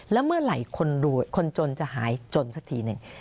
แล้วเมื่อไหร่คนจนจะหายจนสักทีหนึ่ง